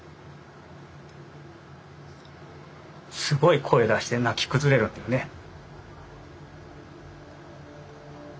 すごい声出して泣き崩れるんだよね。